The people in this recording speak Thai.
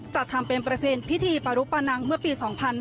จัดทำเป็นประเพณีพิธีปรุปนังเมื่อปี๒๕๕๙